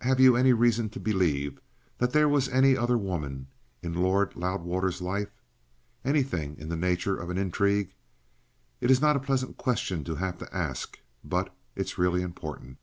Have you any reason to believe that there was any other woman in Lord Loudwater's life anything in the nature of an intrigue? It's not a pleasant question to have to ask, but it's really important."